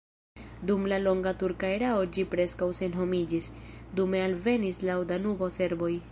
Dum la longa turka erao ĝi preskaŭ senhomiĝis, dume alvenis laŭ Danubo serboj.